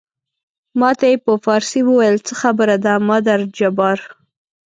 ما ته یې په فارسي وویل څه خبره ده مادر جبار.